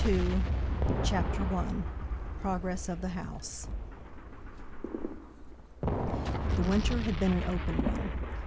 PART II CHAPTER I PROGRESS OF THE HOUSE The winter had been an open one.